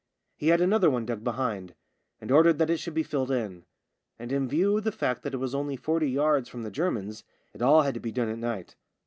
He had another one dug behind, and ordered that it should be filled in. And in view of the fact that it was only forty yards from the Germans it all had to be done at night.